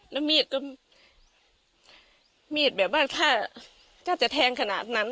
แล้วมีดก็มีดแบบว่าถ้าจะแทงขนาดนั้น